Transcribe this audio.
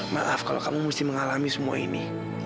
maaf kalau kamu mesti mengalami semua ini